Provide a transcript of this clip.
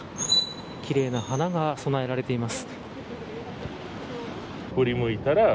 奇麗な花が供えられています。